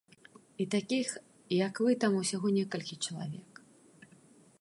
І такіх, як вы там усяго некалькі чалавек.